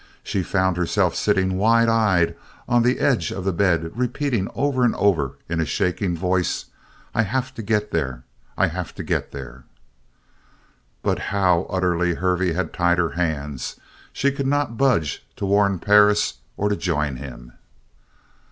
She found herself sitting wide eyed on the edge of the bed repeating over and over in a shaking voice "I have to get there! I have to get there!" But how utterly Hervey had tied her hands! She could not budge to warn Perris or to join him!